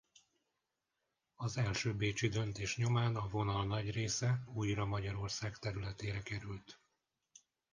Az első bécsi döntés nyomán a vonal nagy része újra Magyarország területére került.